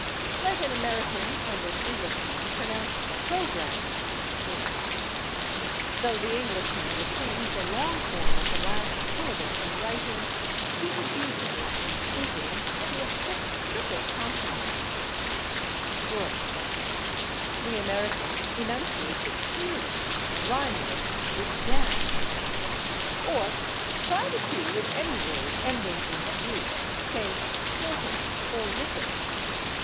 Let an American and an Englishman pronounce /program/ (/me/). Though the Englishman retains the long form of the last syllable in writing, he reduces it in speaking to a thick triple consonant, /grm/; the American enunciates it clearly, rhyming it with /damn/. Or try the two with any word ending in / g/, say /sporting/ or /ripping